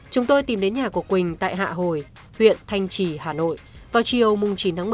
chúng tôi tìm đến nhà của quỳnh tại hạ hồi huyện thanh trì hà nội vào chiều chín một